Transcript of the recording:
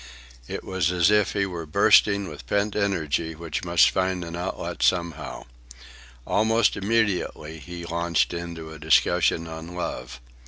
It was as though he were bursting with pent energy which must find an outlet somehow. Almost immediately he launched into a discussion on love.